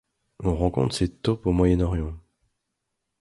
On rencontre cette taupe au Moyen-Orient.